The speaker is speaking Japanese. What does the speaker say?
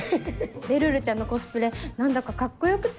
べるるちゃんのコスプレ何だかカッコ良くて。